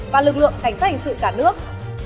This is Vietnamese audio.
và lực lượng cảnh sát hình sự cả nước